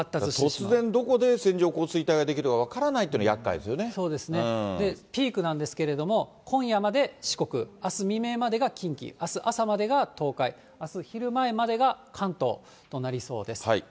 突然どこで線状降水帯が出来るか分からないというのがやっかそうですね、ピークなんですけれども、今夜まで四国、あす未明までが近畿、あす朝までが東海、あす昼前までが関東となりそうです。